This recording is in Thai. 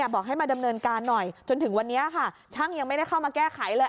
บอกให้มาดำเนินการหน่อยจนถึงวันนี้ค่ะช่างยังไม่ได้เข้ามาแก้ไขเลย